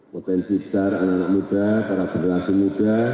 potensi besar anak anak muda para generasi muda